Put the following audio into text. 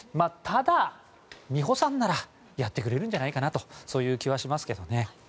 ただ、美帆さんならやってくれるんじゃないかなという気もしますよね。